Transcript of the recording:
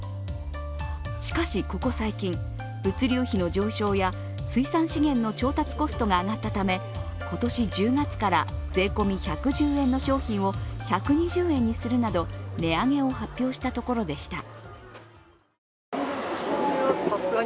しかし、ここ最近、物流費の上昇や水産資源の調達コストが上がったため今年１０月から、税込み１１０円の商品を１２０円にするなど値上げを発表したところでした。